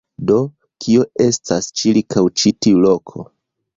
Do, kio estas ĉirkaŭ ĉi tiu loko?